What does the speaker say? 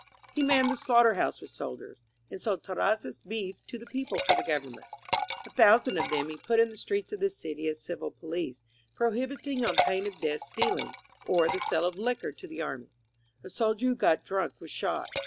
He manned the slaughter house with soldiers, and sold Terrazzas's beef to the people for the government. A thousand of them he put in the streets of the city as civil police, prohibiting on pain of death stealing, or the sale of liquor to the army. A soldier who got drunk was shot.